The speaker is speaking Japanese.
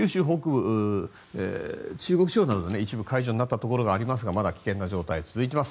九州北部、中国地方など一部解除になったところがありますがまだ危険な状態が続いています。